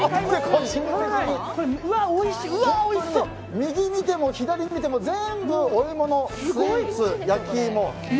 右を見ても左を見ても全部お芋のスイーツ、焼き芋。